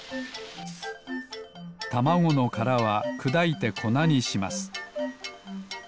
たまごのからはくだいてこなにします